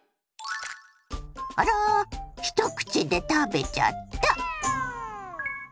あら一口で食べちゃった！